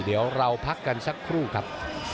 เดี๋ยวเราพักกันสักครู่ครับ